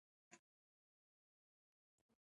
فاریاب د افغان کلتور په داستانونو کې راځي.